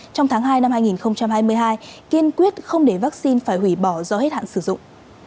trong tháng hai năm hai nghìn hai mươi hai kiên quyết không để vaccine phải hủy bỏ do hết hạn sử dụng